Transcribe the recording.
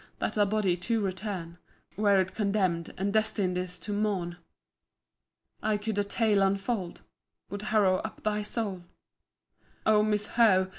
to that body to return, Where it condemn'd and destin'd is to mourn! [I could a tale unfold—— Would harrow up thy soul——] O my Miss Howe!